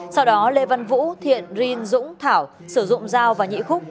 sau đó lê văn vũ thiện rinh dũng thảo sử dụng dao và nhị khúc